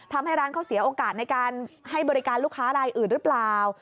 ทำให้ร้านเขาเสียโอกาสในการให้บริการลูกค้ารายอื่นหรือเปล่า